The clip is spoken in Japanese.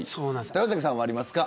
豊崎さんはありますか。